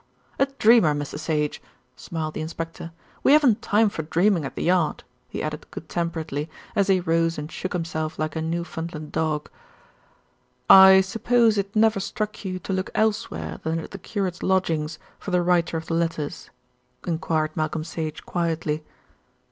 "A dreamer, Mr. Sage," smiled the inspector. "We haven't time for dreaming at the Yard," he added good temperedly, as he rose and shook himself like a Newfoundland dog. "I suppose it never struck you to look elsewhere than at the curate's lodgings for the writer of the letters?" enquired Malcolm Sage quietly.